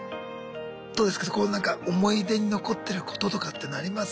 どうですかこうなんか思い出に残ってることとかっていうのあります？